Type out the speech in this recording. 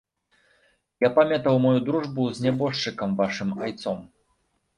Я памятаў маю дружбу з нябожчыкам вашым айцом.